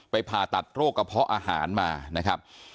ผ่าตัดโรคกระเพาะอาหารมานะครับ